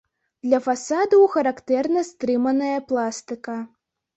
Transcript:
Для фасадаў характэрна стрыманая пластыка.